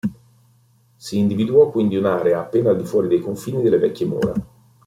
Si individuò quindi un'area appena al di fuori dei confini delle vecchie mura.